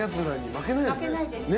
負けないです。